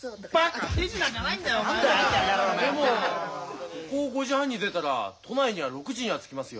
でもここを５時半に出たら都内には６時には着きますよ。